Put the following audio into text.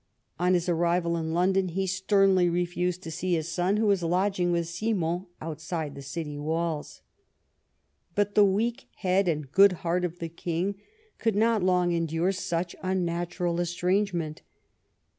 On his arrival in London he sternly refused to see his son, who was lodging with Simon outside the city walls. But the weak head and good heart of the king could not long endure such unnatural estrangement.